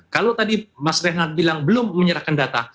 kalau tadi mas renat bilang belum menyerahkan data